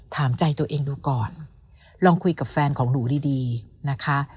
ถามใจตัวเองดูก่อนลองคุยกับแฟนของหนูดีดีนะคะ